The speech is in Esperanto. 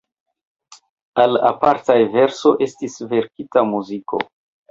Al apartaj verso estis verkita muziko.